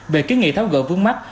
về kiến nghị tháo gỡ vướng mắt